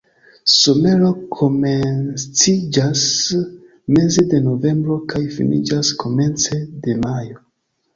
Somero komenciĝas meze de novembro kaj finiĝas komence de majo.